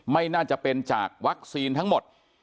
ไม่น่าจะเป็นจากวัคซีนทั้งหมด